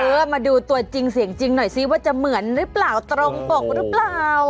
เออมาดูตัวจริงเสียงจริงหน่อยซิว่าจะเหมือนหรือเปล่าตรงปกหรือเปล่า